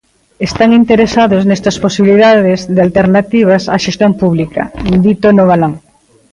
Están interesados nestas posibilidades de alternativas á xestión pública, di Tono Galán.